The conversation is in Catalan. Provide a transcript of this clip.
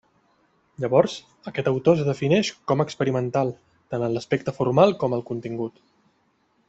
Llavors, aquest autor es defineix com experimental, tant en l'aspecte formal com al contingut.